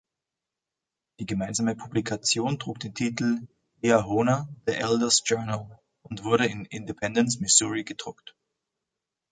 Die gemeinsame Publikation trug den Titel: „Liahona: The Elder‘s Journal“ und wurde in Independence, Missouri, gedruckt.